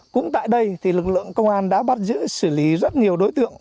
cũng tại đây lực lượng công an đã bắt giữ xử lý rất nhiều đối tượng